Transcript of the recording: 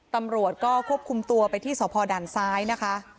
ตำรวจก็ควบคุมตัวไปที่สพด่านซ้ายนะคะ